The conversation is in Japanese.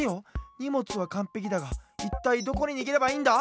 にもつはかんぺきだがいったいどこににげればいいんだ？